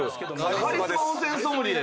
カリスマ温泉ソムリエ。